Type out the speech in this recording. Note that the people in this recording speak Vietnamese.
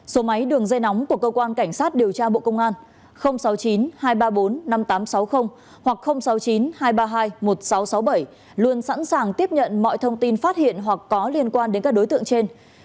số máy đường dây nóng của cơ quan cảnh sát điều tra bộ công an sáu mươi chín hai trăm ba mươi bốn năm nghìn tám trăm sáu mươi hoặc sáu mươi chín hai trăm ba mươi hai một nghìn sáu trăm sáu mươi bảy luôn sẵn sàng tiếp nhận mọi thông tin phát hiện hoặc có liên quan đến các đối tượng trên